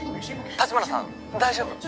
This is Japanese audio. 「城華さん大丈夫？」